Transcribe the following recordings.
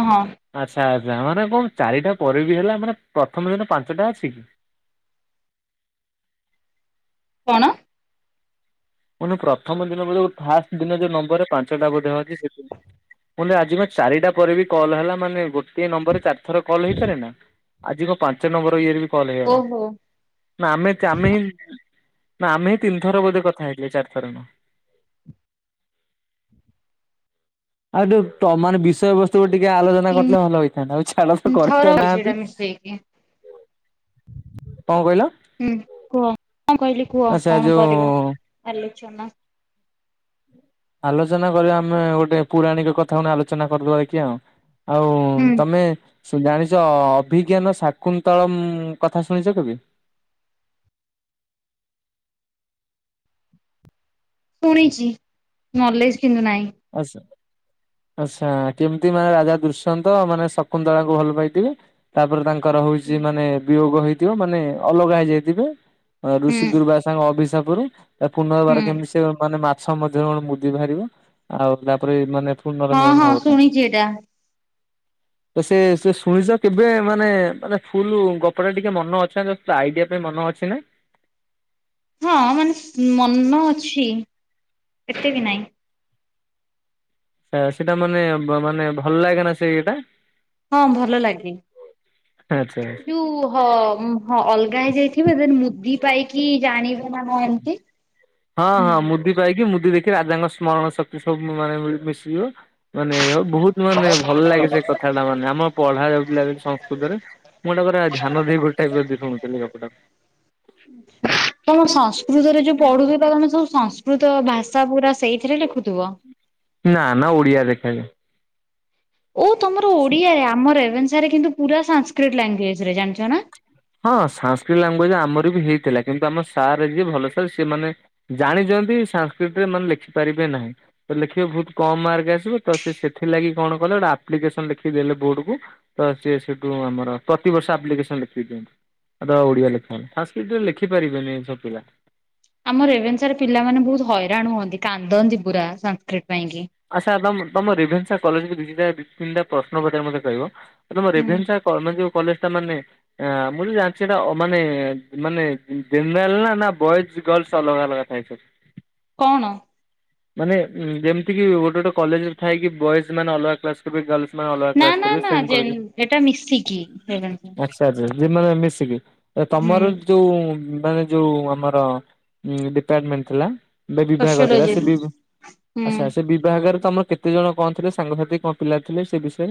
ଓ ହଁ। ଆଚ୍ଛା ଆଚ୍ଛା ମାନେ କଣ ଚାରିଟା ପରେ ବି ହେଲା ମାନେ ପ୍ରଥମେ ଦିନ ପାଞ୍ଚଟା ଅଛି କି? କଣ? ମ ପ୍ରଥମ ଦିନ ବୋଧେ ଫାଷ୍ଟ ଦିନ ଯେଉଁ ନମ୍ବର ପାଞ୍ଚଟା ବୋଧେ ଅଛି ସେଥିପାଇଁ। ମୁଁ କହିଲି ଆଜି ପା ଚାରିଟା ପରେ ବି କଲ୍ ହେଲା ମାନେ ଗୋଟେ ନମ୍ବର ରେ ଚାରି ଥର କଲ୍ ହେଇପାରେ ନା ଆଜି କଣ ପାଞ୍ଚ ନମ୍ବର ଇଏରେ ବି କଲ୍ ହେଇଗଲା? ଓହୋ ନା ଆମେ ଆମେ ହିଁ ନା ଆମେ ହିଁ ତିନି ଥର ବୋଧେ କଥା ହେଇଥିଲେ ଚାରିଥର ନୁହଁ। ଆଉ ଯୋଉ ତ ମାନ ବିଷୟ ବସ୍ତୁ କୁ ଟିକେ ଆଲୋଚନା କରିଲେ ତିନି ଭଲ ହେଇଥାନ୍ତା ଆଉ ଛାଡ ସେ ତ କରିହି ଥର ସେଇଟା ନାହାନ୍ତି। ମିଶେଇକି କଣ କହିଲ? ହୁଁ କୁହ କଣ କହିଲି କୁହ ଆଚ୍ଛା କଣ କରିବ ଯୋଉ ଆଲୋଚନା? ଆଲୋଚନା କରିବା ଆମେ ଗୋଟେ ପୁରାଣିକ କଥା ନେଇ କି ଆଲୋଚନା କରିଦବା କି ଆଉ। ଆଉ ହୁଁ ତମେ ଜାଣିଛ ଅଭିଜ୍ଞାନ ଶାକୁନ୍ତଳା କଥା ଶୁଣିଛ କେବେ? ଶୁଣିଛି ନଲେଜ କିନ୍ତୁ ନାହିଁ। ଆଚ୍ଛା। ଆଚ୍ଛା କେମିତି ମାନେ ରାଜା ଦୁଶ୍ୟନ୍ତ ମାନେ ଶକୁନ୍ତଳାଙ୍କୁ ଭଲ ପାଇଥିବେ? ତାପରେ ତାଙ୍କର ହଉଛି ହୁଁ ମାନେ ବିୟୋଗ ହେଇଥିବ ମାନେ ଅଲଗା ହେଇଯାଇଥିବେ ଋଷି ଦୁର୍ବାସ ସାଙ୍ଗ ଅଭିଶାପରୁ ତା ପୁନର୍ବାର ହୁଁ। କେମିତି ସେ ମାନେ ମାଛ ମଧ୍ୟରେ ମୁଦି ବାହାରିବ? ଆଉ ତାପରେ ମାନେ ହଁ ପୁନର୍ମିଳନ ହଁ ହବ ତାଙ୍କ ଶୁଣିଛି ଏଇଟା। ତ ସେ ସେ ଶୁଣିଛ କେବେ ମାନେ ମାନେ ଫୁଲ୍ ଗପଟା ଟିକେ ମନ ଅଛି ଆଇଡ଼ିଆ ପାଇଁ ମନ ଅଛି ନା? ହଁ ମାନେ ମନ ଅଛି ଏତେ ବି ନାହିଁ। ସେ ସେଇଟା ମାନେ ମାନେ ଭଲ ଲାଗେ ନା ସେଇ ଇଏଟା? ହଁ ଭଲ ଲାଗେ ଆଚ୍ଛା। ଯୋଉ ହ ହଁ ଅଲଗା ହେଇଯାଇଥିବେ ମୁଦି ପାଇକି ଜାଣିବେ ନା କଣ ଏମତି? ହଁ ହଁ ମୁଦି ପାଇକି ମୁଦି ଦେଖି ରାଜାଙ୍କ ସ୍ମରଣ ଶକ୍ତି ସବୁ ମାନେ ମିଶିଯିବ ମାନେ ବହୁତ ମାନେ ଭଲ ଲାଗେ ସେ କଥା ଟା ମାନେ ଆମର ପଢା ଯାଉଥିଲା ସେ ସଂସ୍କୃତରେ ମୁଁ ଗୋଟା ପୁରା ଧ୍ୟାନ ଦେଇକି ଶୁଣୁଥିଲି ଗପଟାକୁ। ତମ ସଂସ୍କୃତରେ ଯୋଉ ପଢୁ ତମେ ସବୁ ସଂସ କୃତ ଭାଷା ପୁରା ସେଇଥିରେ ଲେଖୁଥିବ? ନା ନା ଓଡ଼ିଆ ଲେଖାଯାଏ। ଓ ତମର ଓଡିଆରେ ଆମ ରେଭେନ୍ସା ରେ କିନ୍ତୁ ପୁରା ସାସ୍କ୍ରିଟ ଲାଙ୍ଗୁଏଜ ରେ ଜାଣିଛ ନା? ହଁ ସାସ୍କୃତ ଲାଙ୍ଗୁଏଜ ଆମର ବି ହେଇଥିଲା କିନ୍ତୁ ଆମ ସାର୍ ଯିଏ ଭଲ ସାର୍ ସେ ମାନେ ଜାଣିଛନ୍ତି ସାଂସ୍କୃତିରେ ମାନେ ଲେଖିପାରିବେ ନାହିଁ। ତ ଲେଖିବେ ବହୁତ କମ୍ ମାର୍କ ଆସିବ ତ ସେ ସେଥିଲାଗି କଣ କଲେ ଗୋଟେ ଆପ୍ଲିକେସନ ଲେଖି ଦେଲେ ବୋର୍ଡ କୁ ତ ସିଏ ସେଠୁ ଆମର ପ୍ରତିବର୍ଷ ଆପ୍ଲିକେସନ ଲେଖିକି ଦିଅନ୍ତି। ଆ ଓଡ଼ିଆ ଲେଖନି ସାଂସ୍କୃତିରେ ଲେଖିପାରିବେନି ସବୁ ପିଲା? ଆମର ରେବେନ୍ସା ପିଲାମାନେ ବହୁତ ହଇରାଣ ହୁଅନ୍ତି କାନ୍ଦନ୍ତି ପୁରା ସଂସ୍କୃତ ପାଇଁ କି? ଆ ସାର୍ ତମ ତୁମ ରେଭେନ୍ସା କଲେଜକୁ ଦୁଇଟା ନିଟା ପ୍ରଶ୍ନ ପଚରେ ମୋତେ କହିବ ତମ ରେଭେନ୍ସା? କ ମାନ ଯୋଉ କଲେଜ ଟା ମାନେ ମୁଁ ତ ଜାଣିଛି ସେଇଟା ମାନେ ମାନେ ଜେନେରାଲ ନା ନା ବଏଜ ଗର୍ଲସ ଅଲଗା ଅଲଗା ଥାଏ ସବୁ? କଣ? ମାନେ ଯେମିତିକି ଗୋଟେ ଗୋଟେ କଲେଜରେ ଥାଇ କି ବଏଜ ମାନେ ଅଲଗା କ୍ଲାସ୍ କର ଗାର୍ଲସ୍ ନାଁ ଅଲଗା ନା କ୍ଲାସ୍ ନା ଥିଲି ନା ସେମ୍ ଜେନ୍ କଲେଜରେ ଏଟା ମିଶିକି ରେଭେନ୍ସା। ମାସ୍କ ତା ଯେ ଯେ ମାନେ ମିଶିକି ଏ ହୁଁ ତମର ଯୋଉଁ ମାନେ ଯୋଉ ଆମର ଡିପାର୍ଟମେଣ୍ଟ ଥିଲା ବିଭାଗ ଥିଲା। ସୋସିଓଲୋଜି ହୁଁ। ଆଛା ସେ ବିଭାଗରେ ତମର କେତେ ଜଣ କଣ ଥିଲେ ସାଙ୍ଗସାଥି କଣ ପିଲା ଥିଲେ ସେ ବିଷୟରେ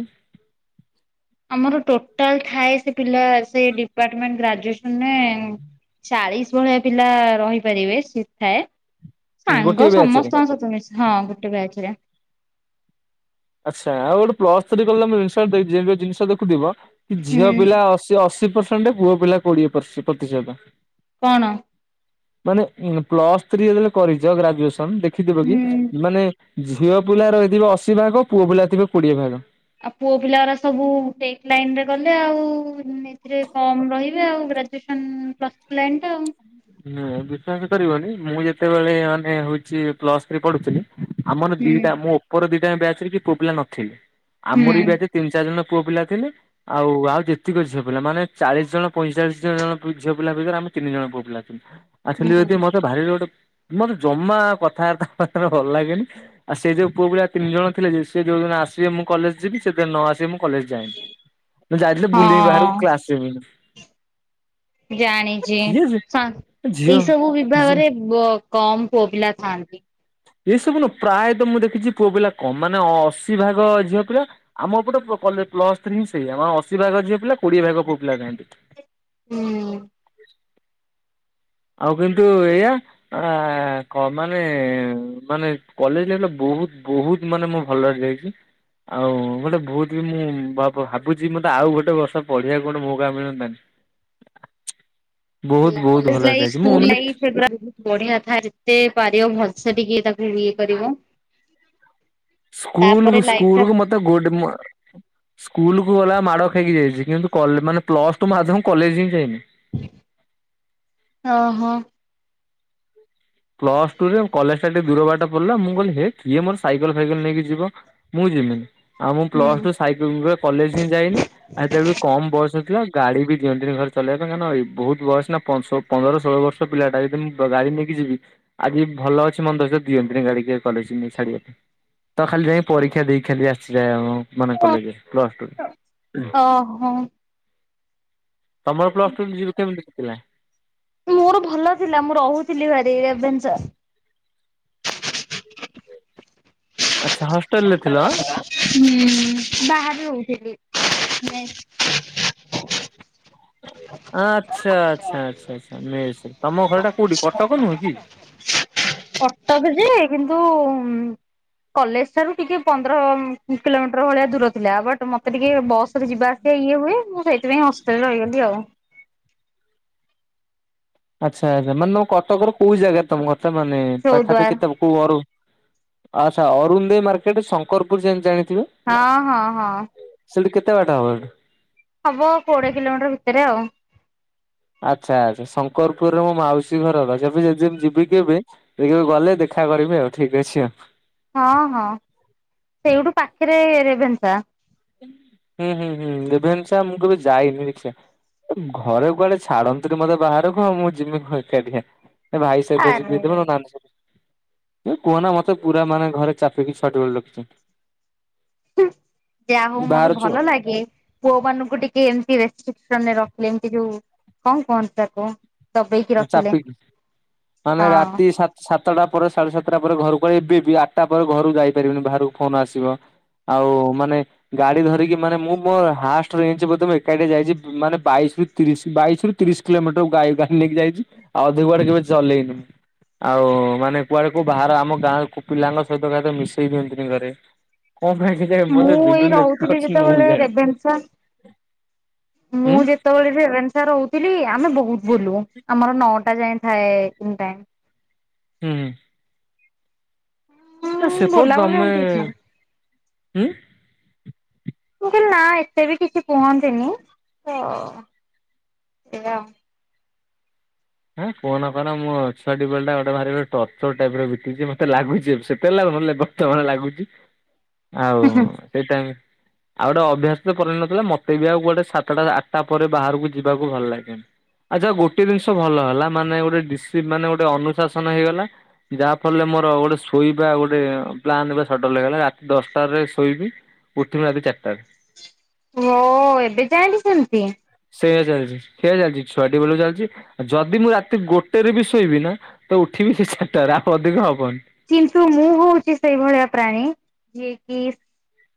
ଆମର ଟୋଟାଲ ଥାଏ ସେ ପିଲା ସେ ଡିପାର୍ଟମେଣ୍ଟ ଗ୍ରାଜୁଏସ ମାନେ ଚାଳିଶ ଭଳିଆ ପିଲା ରହିପାରିବେ ସିଟ ଥାଏ। ହୁଁ, ଗୋଟିଏ ସାଙ୍ଗ ବ୍ୟାଚ୍ ରେ ସମସ୍ତଙ୍କ ସହିତ ମିସେ ହଁ ଗୋଟେ ବ୍ୟାଚ ରେ। ଆଚ୍ଛା ଆଉ ଗୋଟେ ପ୍ଲଥ୍ରୀ କଲେ ମୁଁ ଜିନିଷ ଦେଇଚି ତେବେ ଜିନିଷ ଦେଖୁଥିବ। ଝିଅ ହୁଁ ପିଲା ଅଶୀ ଅଶୀ ପ୍ରସେଣ୍ଟ ପୁଅ ପିଲା କୋଡିଏ ପ୍ରତିଶତ। କଣ? ମାନେ ପ୍ଲଥ୍ରୀ ଯେତେବେଳେ କରିଛ ଗ୍ରାଜୁଏସନ ଦେଖିଥିବ କି ହୁଁ। ମାନେ ଝିଅ ପିଲା ରହିଥିବେ ଅଶୀ ଭାଗ ପୁଅ ପିଲା ଥିବେ କୋଡିଏ ଭାଗ। ଆଉ ପୁଅ ପିଲା ଗୁରା ସବୁ ଟେକ ଲାଇନ ରେ ଗଲେ ଆଉ ଏଥିରେ କମ ରହିବେ ଆଉ ଗ୍ରା ପ୍ଲଥ୍ରୀ ଲାଇନଟା। ହୁଁ ବିଶ୍ବସ କରିବନି ମୁଁ ଯେତେବେଳେ ମାନେ ହଉଛି ପ୍ଲଥ୍ରୀ ପଢୁଥିଲି। ଆମର ହୁଁ ଦିଟା ମୁଁ ଉପର ଦିଟା ବ୍ୟାଚ ରେ କେହି ପୁଅ ପିଲା ନଥିଲି ଆମର ବି ବ୍ୟାଚ ହୁଁ ତିନି ଚାରି ଜଣ ପୁଅ ପିଲା ଥିଲେ। ଆଉ ଆଉ ଯେତିକ ଝିଅ ପିଲା ମାନେ ଚାଳିଶ ଜଣ ପଇଁଚାଳିଶ ଜଣ ଝିଅ ପିଲା ଭିତରେ ଆମେ ତିନି ଜଣ ପୁଅ ପିଲା। ଆକ୍ଚୟଲି ହୁଁ ଯଦି ମତେ ଭାରିରେ ଗୋଟେ ମତେ ଜମା କଥା ବ୍ରାତା ହବ ପାଇଁ ଭଲ ଲାଗେନି। ସେ ଯୋଉ ପୁଅ ପିଲା ତିନି ଜଣ ଥିଲେ ସେ ଯଉଦିନ ଆସିବେ ମୁଁ କଲେଜ ଯିବି ଶେଯଦି ନ ଆସିବେ ମୁଁ କଲେଜ ଯି ମୁଁ ଯାଇଥିଲେ ବୁଲିବି ବାହାରକୁ ହଁ କ୍ଲାସ ଯିବିନି। ଜାଣିଛି କିଏ ଝିଅ ଏଇ ସବୁ ଝିଅ ବିଭହରେ। ବ କମ ପୁଅ ପିଲା ଥାଆନ୍ତି। ଏଇସବୁ ନୁଁ ପ୍ରାୟତଃ ମୁଁ ଦେଖିଛି ପୁଅ ପିଲା କମ ମାନେ ଅଶୀ ଭାଗ ଝିଅ ପିଲା। ଆମ ଏପଟେ ପ୍ଲଥ୍ରୀ ହିଁ ସେଇଆ ଆମର ଅଶୀ ଭାଗ ଝିଅ ପିଲା କୋଡିଏ ଭାଗ ପୁଅ ପିଲା ଥାନ୍ତି। ହୁଁ। ଆଉ କିନ୍ତୁ ଏଇଆ। ଆ କ ମାନେ ମାନେ କଲେଜ ହେଲେ ବହୁତ ବହୁତ। ମାନେ ମୁଁ ଭଲ ଯାଇଛି। ଆଉ ଗୋଟେ ବହୁତ ବି ମୁଁ ଭା ଭାବୁଛି ମତେ ଆଉ ଗୋଟେ ବର୍ଷ ପଢିବାକୁ ଗୋଟେ ମଉକା ମିଳନ୍ତାନି। [inaudible] ସେଠି ବହୁତ ଭଲରେ ଲାଗି ଯାଇଛି ମୁଁ ସ୍କୁଲ ଏମିତି ଲାଇଫ। ସେଗୁରା ବହୁତ ବଢିଆ ଥାଏ ଯେତେ ପାରିବ ଭଲସେ ଟିକଏ ତାକୁ ଇଏ କରିବ। ସ୍କୁୂଲକୁ ତାପରେ ଲାଇଫ୍ ଟା ସ୍କୁୂଲକୁ ମୋତେ ଗୁଡ଼ ମା ସ୍କୁଲକୁୁ ଗଲା ମାଡ଼ ଖଇକି ଯାଇଛି କିନ୍ତୁ କଲେ ମାନେ ପ୍ଲସ୍ଟୁ ଆଦ୍ଵଂ କଲେଜ ହିଁ ଯାଇନି। ଆ ହଁ। ପ୍ଲସ୍ଟୁ ରେ କଲେଜ ଟା ଟିକେ ଦୂର ବାଟ ପଡିଲା ମୁଁ କହିଲି ହେ କିଏ ମୋର ସାଇକେଲ ଫାଇକେଲ ନେଇକି ଯିବ। ମୁଁ ଯିବିନି ଆଉ ମୁଁ ହୁଁ। ପ୍ଲସ୍ଟୁ ସାଇକେଲ ରେ କଲେଜ ହିଁ ଯାଇନି। ଅହେତେ ବେଳୁକୁ କମ ବୟସ ଥିଲା ଗାଡି ବି ଦିଅନ୍ତିନି ଘରେ ଚଲେଇ ପାଇଁ କାରଣ ଏଇ ବହୁତ ବୟସ ନା ପାଞ୍ଚଶ ପନ୍ଦର ଷୋହଳ ବର୍ଷ ପିଲାଟା ଯଦି ମୁଁ ଗାଡି ନେଇକି ଯିବି। ଆଜି ଭଲ ଅଛି ମନ୍ଦ ଅଛି ଦିଅନ୍ତିନି ଗାଡିିକ କେ କଲେଜ ନାଇକି ଛାଡ଼ିବା ପାଇଁ। ତ ଖାଲି ଯାଇକି ପରୀକ୍ଷା ଦେଇକି ଖାଲି ଆସିଛି ଯାହା ମୁଁ। ମନା କଲେଜେ ପ୍ଲସ୍ଟୁ ରେ। ଓହୋ ତମର ପ୍ଲସ୍ଟୁ ଯିବା କେମିତିଥିଲା। ମୋର ଭଲ ଥିଲା ମୁଁ ରହୁଥିଲି ଭାରି ରେଭେନ୍ସା। ଆଚ୍ଛା ହଷ୍ଟେଲ ରେ ଥିଲା। ହୁଁ ବହାରେ ରହୁଥିଲି ମେ ଆଁ ଆଚ୍ଛା ଆଚ୍ଛା ଆଚ୍ଛା ଆଚ୍ଛା ମେସ ରେ ତମ ଘରଟା କୋଉଠି କଟକ ନୁହେଁ କି? କଟକ ଯେ କିନ୍ତୁ କଲେଜ ସେଠୁ ଟିକେ ପନ୍ଦର କିଲୋମିଟର ଭଳିଆ ଦୂର ଥିଲା ବଟ୍ ମତେ ଟିକେ ବସରେ ଯିବା। ସେ ଇଏ ହୁଏ ମୁଁ ସେଇଥିପାଇଁ ଅସ୍ତରେ ରହିଗଲି ଆଉ ଆଚ୍ଛା ଆଚ୍ଛା ମାନେ ତମ କଟକର କୋଉ ଜାଗା ରେ ତମ କଥା ମାନେ ଚଉଦ୍ୱାର ପାଖାପାଖି ତ ଅ ଆଚ୍ଛା ଅରୁନ୍ ଦେ ମାର୍କେଟ ଶଙ୍କରପୁର ଯେ ମିତି ଜାଣିଥିବେ। ହଁ ହଁ ହଁ। ସେଇଠୁ କେତେ ବାଟା ହବ? ହବ କୋଡ଼ିଏ କିଲୋମିଟର ଭିତରେ ଆଉ। ଆଚ୍ଛା ଆଚ୍ଛା ଶଙ୍କରପୁରରେ ମୋ ମାଉସୀ ଘରଛି ଏବେ ଯଦି ଯିବି କି ଏବେ ଦେଖିବୁ ଗଲେ ଦେଖା କରିବି ଆଉ ଠିକ ଅଛି ଆଉ। ହଁ ହଁ ସେଇଠୁ ପାଖରେ ରେଭେନ୍ସା। ହୁଁ ହୁଁ ହୁଁ ରେଭେନ୍ସା ମୁଁ କେବେ ଯାଇନି ରିକ୍ସା। ଘରେ କୁଆଡେ ଛାଡନ୍ତି ନି ମତେ ବାହାରକୁ ମୁଁ ଯିମି କଣ ଏକାଟିଆ? ଭାଇ ସହିତ ଆରେ ଯିବିଦିନ ନ- ନାନୀ ସ ଏ କୁହନା ମତେ ପୁରା ମାନେ ଘରେ ଚାପିକି ଛୁଆଟି ବେଳୁ ରଖିଛନ୍ତି। ଯାହା ହଉ ମତେ ବାହାର ଛୁଆ ଭଲ ଲାଗେ? ପୁଅ ମାନଙ୍କୁ ଟିକେ ଏମିତି ରେଷ୍ଟ୍ରିକ୍ସନରେ ରଖିଲେ ଏମିତି ଯୋଉ କଣ କୁହନ୍ତିୁ ତାକୁ? ଦବେଇକି ରଖିଲେ ଚାପିକି ମାନେ ହଁ ରାତି ସା ସାତଟା ପରେ ସାଢେ ସାତଟା ପରେ ଘରକୁ ଏବେ ବି ଆଠଟା ପରେ ଘରକୁ ଯାଇପାରିବନି ବାହାରକୁ ଫୋନ୍ ଆସିବ। ଆଉ ମାନେ ଗାଡି ଧରିକି ମାନେ ମୁଁ ହାଷ୍ଟ୍ରରେଞ୍ଚ ଏକାଟିଆ ଯାଇଛି ମାନେ ବାଇସି ତିରିଶ ବାଇଶ ରୁ ତିରିଶ କିଲୋମିଟର ଗାଈ ଗାଡ଼ି ନେଇକି ଯାଇଛି ଆଉ ଅଧିକ କେବେ ଚଲେଇନି। ଆଉ ମାନେ କୁଆଡେ କ ବାହ ଆମ ଗାଁ ପିଲାଙ୍କ ସହିତହିତ ମିଶେଇ ଦିଅନ୍ତିନି ଘରେ। କଁ ପାଇଁ କେଜାଣି ମତେ ମୁଁ ଏଇ ଜୁଲୁଲୁ ଏତେ ରହୁଥିଲି କରିଛନ୍ତି ମୁଁ ବି ଯେତେବେଳେ ଜାଣିନି। ରେଭେନ୍ସା ମୁଁ ହୁଁ ଯେ ଯେତେବେଳ ରେଭେନ୍ସା ରହୁଥିଲି ଆମେ ବହୁତ ବୁଲୁ ଆମର ନଅଟା ଯାଏ ଥାଏ ଇନ୍ ଟାଇମ୍ ହୁଁ। ନା ହୁଁ ସେପଟ ବୁଲାବୁଲି ଗମେ ଏମିତି କିଛି ନାହିଁ ହୁଁ ମୁ କହିଲି ନା ଏତେ ବି କିଛି କୁହନ୍ତିନି ତ ସେଇଆ ଆଉ। ହଁ କୁହନା କୁହନା ମୋ ଛୁଆଟି ବେଳ ଟା ଗୋଟେ ଭାରି ଟର୍ଚର ଟାଇପ ର ବିତିଛି ମତେ ଲାଗୁଛି ସେତେବେଳ ଲାଗୁନଥିଲା ଏବେ ତମର ଲାଗୁଛି ଆଉ ସେଇ ଟାଇମ୍। ଆଉ ଗୋଟେ ଅଭ୍ୟାସ ତ ପରିଣତ ନଥିଲା ମତେ ବି ଆଉ ଗୋଟେ ସାତଟା ଆଠଟା ପରେ ବାହାରକୁ ଯିବାକୁ ଭଲ ଲାଗେନି। ଆଯା ଗୋଟେ ଜିନିଷ ଭଲ ହେଲା ମାନେ ଡିଶି ମାନେ ଗୋଟେ ଅନୁଶାସନ ହେଇଗଲା। ଯାହାଫରେ ମୋର ଗୋଟେ ଶୋଇବା ଗୋଟେ ପ୍ଲାନ୍ ସଟଲ ହେଇଗଲା ରାତି ଦଶଟାରେ ଶୋଇବି। ଉଠିବି ରାତି ଚାରିଟା। ମୋ ଏବେ ଯାଏ ବି ସେମିତି ସେଇଆ ଚାଲିଛି ସେଇଆ ଚାଲିଛି ଛୁଆଟି ବେଳରୁ ଚାଲିଛି ଯଦି ମୁଁ ରାତି ଗୋଟେରେ ବି ଶୋଇବି ନା ତ ଉଠିବି ସେ ଚାରିଟାରେ ଆଉ ଅଧିକ ହବନି। କିନ୍ତୁ ମୁଁ ହଉଛି ସେଇଭଳିଆ ପ୍ରାଣୀ ଯିଏ କିି?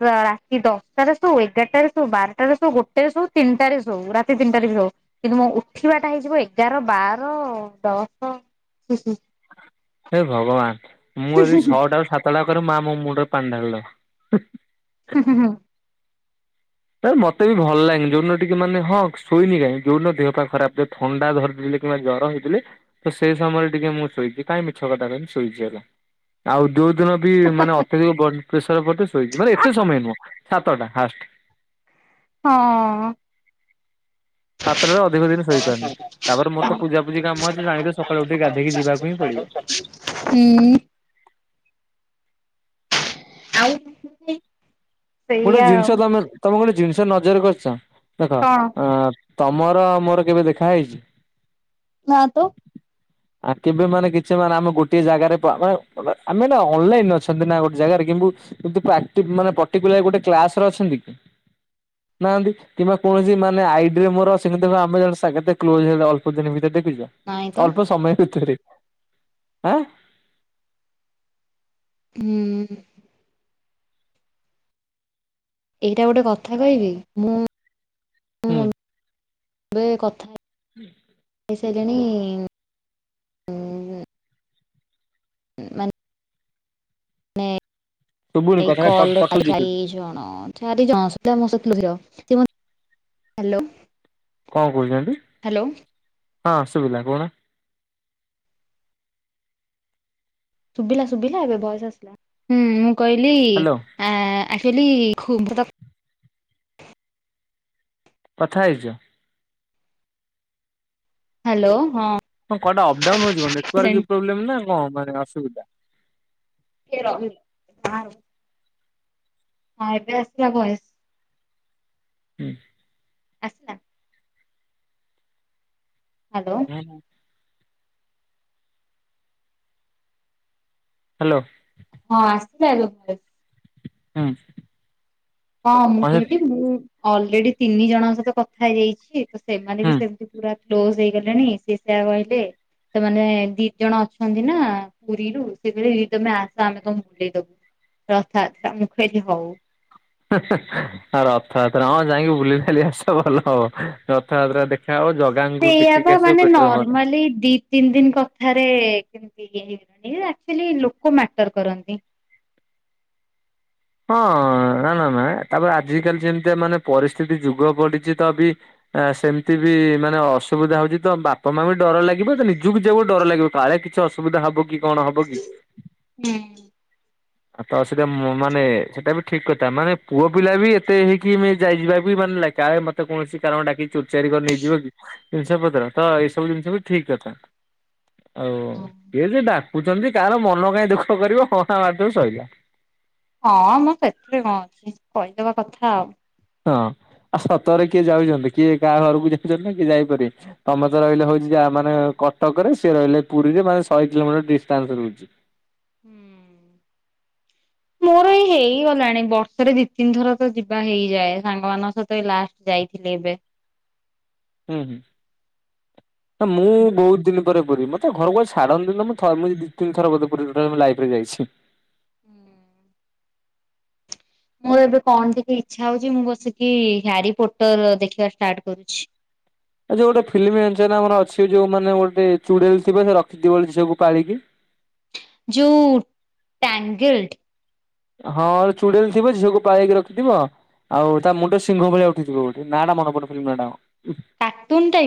ରାତି ଦଶଟାରେ ଶୋ ଏଗାରଟାରେ ଶୋ ବାରଟାରେ ଶୋ ଗୋଟେ ଶୋ ତିନିଟାରେ ଶୋ ରାତି ତିନିଟାରେ ବି ଶୋଉ। କିନ୍ତୁ ମୁ ଉଠିବାଟା ହେଇଯିବ ଏଗାର ବାର ଦଶ ହେ ଭଗବାନ ମୁଁ ଯଦି ହଁ ଛଅଟା ରୁ ସାତଟା କରି ମା ମୋ ମୁଣ୍ଡରେ ପାଣି ଢାଳିଦବ। ଉ ହୁଁ ହୁଁ। ନାଇ ମତେ ବି ଭଲ ଲାଗେନି ଯଉ ଦିନ ଟିକେ ମାନେ ହଁ ଶୋଇନି କାହିଁକି ଯେଉନ ଦେହ ପା ଖରାପ ଥିବ ଥଣ୍ଡା ଧରି କିମ୍ବା ଜ୍ଵର ହେଇଥିଲେ ତ ସେଇ ସମୟରେ ଟିକେ ମୁଁ ଶୋଇଛି କାହିଁ ମିଛ କଟ କତି ଶୋଇଛି ହେଲା। ଆଉ ଯେଉଁ ଦିନ ବି ମାନେ ଅତ୍ୟଧିକ ବଡ଼୍ ପ୍ରେସର ପଡ଼ିଥିବ ଶୋଇଛି ମାନେ ଏତେ ସମୟ ନୁହଁ ସାତଟା ହାଷ୍ଟ। ହଁ। ସାତଟରୁ ଅଧିକ ଦିନି ଶୋଇପାରୁନି ତାପ ମୋତେ ପୂଜାୂୁଜି କାମ ଅଛି ଜାଣି ସକାଳୁ ଉଠି ଗାଧୋଇକି ଯିବାକୁ ହିଁ ପଡ଼ିବ। ଉଁ ଆଉ [unintelligible] ଗୋଟେ ସେଇଆ ଜିନିଷ ତମେ ତମେ ଗୋଟେ ଜିନିଷ ନଜର କରିଛ ଦେଖ କଣ? ଏଁ ତମର ମୋର କେବେ ଦେଖା ହେଇଛି? ନାଁ ତ। [inaudible] ଆ କେବେ ମାନେ କିଛି ମାନେ ଆମେ ଗୋଟେ ଜାଗାରେ ମାନେ ଆମେ ଅନଲାଇନି ଅଛନ୍ତି ନା ଗୋଟେ ଜାଗାରେ କିନ୍ତୁ ଆକ୍ଟିଭ ମାନେ ପଟିକୁଲାର ଗୋଟେ କ୍ଲାସ ରେ ଅଛନ୍ତି କି? ନାହାନ୍ତି? କିମ୍ବା କୌଣସି ମାନେ ଆଇଡ଼ି ମୋର ସେମିତି ଆମେ ସଂଘାତିକ କ୍ଲୋଜ୍ ଅଳ୍ପ ଦିନ ଭିତରେ ଦେଖିଛ। ନାଇଁ ତ ଅଳପ ସମୟ ଭିତରେ ଆଁ। ହୁଁ ଉଁ ଏଇଟା ଗୋଟେ କଥା କହିବି, ମୁଁ ହୁଁ କଥା? ହୁଁ [unintelligible] [unintelligible] ଶୁଭୁନି କଥାଟା କ କଟୁଛି ଟିକେ। ଚାରି ଜଣ ସୁଧା ମୋ ସହିିତ [unintelligible] କଣ କହୁଛନ୍ତି? ହଁ ଶୁବିଲା କହୁନ? ଶୁଭିଲା ଶୁଭିଲା ଏବେ ବୟସ ଆସିଲା, ହୁଁ ମୁଁ କହିଲି। ହ୍ୟାଲୋ ଆ ଆକ୍ଚୁଆଲି ଖ [inaudible] କଥା ହେଇଚ? ହାଲୋ ହଁ ହଁ କଆଟା ଅପ୍ଡାଉନ ହେଯିବ ନେଟାର୍ ହଁ ପ୍ରୋବଲେମ୍ ନା କଣ ଅସୁବିଧା। ରହିଲୁ ହଁ ଏବେ ଆସିବା ଭଏସ। ହୁଁ ଆସିଲା। ହାଲୋ [unintelligible] ହାଲୋ ହଁ ଆସିିଲା ଏବେ ଭଏସ୍। ହଁ ଅଁ ହଁ ମୁଁ କହିଲି ମୁଁ ଅଲରେଡି ତିନି ଜଣଙ୍କ ସହିତ କଥା ହେଇଯାଇଛି। ସେମାନେ ବି ହୁଁ। ସେମିତି ପୁରା କ୍ଲୋଜ ହେଇଗଲେଣି ସି ସେଇଆ କହିଲେ। ତ ମାନେ ଦି ଜଣ ଅଛନ୍ତି ନା ପୁରୀରୁ, ସେ ତମେ ଆସ ଆମେ କମ ବୁଲେଇ ଦବୁ। ରଥଯାତ୍ରା, ମୁଁ କହିଲି ହଉ। ହେ ହେ ହେ ହ ରଥଯାତ୍ରା ହଁ ଯାଇକି ବୁଲି କି ଆସିବା ଭଲ ହବ, ରଥଯାତ୍ରା ଦେଖା ହବ ଜ ସେଇଆ ବା ମାନେ ନର୍ମାଲି ତିନି ଦିନ କଥାରେ କେମିତି ଇଏ ହେଇଗଲେଣି, ଆକୁ ଚୁଆଲି ଲୋକ ମ୍ୟାଟର କରନ୍ତି। ହଁ ନା ନା ନା, ତାପରେ ଆଜିିକାଲି ଯେମିତି ମାନେ ପରିସ୍ଥିତି ଯୁଗ ପଡିଛି ତ ବି ଆ ସେମିତି ବି ମାନେ ଅସୁବିଧା ହଉଛି ତ ବାପା ମା ବି ଡର ଲାଗିବ ତ ନିଜକୁ ଯିବାକୁ ଡର ଲାଗିବ କାଳେ କିଛି ଆସିବି। ଅସୁବିଧା ହବ କି, କଣ ହବ କି, ହୁଁ। ଆପଣ ସେ ମାନେ ସେଇଟା ବି ଠିକ କଥା, ମାନେ ପୁଅ ପିଲା ବି ଏତେ ହେଇକି ଯାଇଯିବା ବି ମାନେ ଲେଖା ତ କୌଣସି କାରଣ ଡାକି ଚୋରିଚାରି କରି ନେଇଯିବ କି ଜିନିଷ ପତ୍ର, ତ ଏଇ ସବୁ ଜିନିଷ ବି ଠିକ କଥା। ଆଉ କିଏ ଯିଏ ଡାକୁଛନ୍ତି କାହାର ମନ କାହିଁ ଦୁଃଖ କରିବ ହଁ ହାଁ ମାରି ଦେଲେ ସରିଲା। ହଁ ମ ସେଥିରେ କଣ ଅଛି, କହିଦବା କଥା ଆଉ। ହଁ ଆଉ ସତରେ କିଏ ଯାଉଚନ୍ତି, କିଏ କାହା ଘରକୁ ଯାଉଚନ୍ତି ନା କିଏ ଯାଇପାରିବେ? ତମେ ତ ରହିଲେ ହଉଚି ଯାହା ମାନେ କଟକରେ, ସେ ରହିଲେ ପୁରୀରେ ମାନେ ଶହେ କିଲୋମିଟର ଡିଷ୍ଟାନ୍ସ ରହୁଚି। ହୁଁ ମୋର ଏଇ ହେଇଗଲାଣି ବର୍ଷ ରେ ଦି ତିନି ଥର ତ ଯିବା ହେଇଯାଏ, ସାଙ୍ଗ ମାନଙ୍କ ସହିତ ଏଇ ଲାଷ୍ଟ ଯାଇଥିଲି ଏବେ। ହୁଁ ହୁଁ, ନା ମୁଁ ବହୁତ ଦିନ ପୁରୀ, ମତେ ଘରକୁ ବା ଛାଡନ୍ତିନି ତ ମୁଁ ଥ ମୁଁ ଦି ତିନି ଥର ବୋଧେ ପୁରୀ ଟୋଟାଲ ମୁଁ ଲାଇଫ ରେ ଯାଇଛି। ହୁଁ ଉଁ ମୋର ଏବେ କଣ ଟିକେ ଇଛା ହଉଛି, ମୁଁ ବସିକି ହାରି ପୋଟର ଦେଖିବା ଷ୍ଟାର୍ଟ କରୁଛି। ଆଛା ଗୋଟେ ଫିଲ୍ମ ଜାଣିଛ ନା ଆମର ଅଛି ଯୋଉ ମାନେ ଗୋଟେ ଚୁଡେଲ ଥିବ ସେ ରଖିଥିବ ଗୋଟେ ଝିଅକୁ ପାଳିକି। ଜୁ ଟାଙ୍ଗେଲ୍ଡ୍। ହଁ ଚୁଡେଲ ଥିବ ଝିଅକୁ ପାଳିକି ରଖିଥିବ। ଆଉ ତା ମୁଣ୍ଡ ସିଂଘ ଭଳିଆ ଉଠିଥିବ ଗୋଟେ ନାଟା ମନେ ପଡୁନି ଫିଲ୍ମ ନାଁ ଟା କଣ। Cartoon type.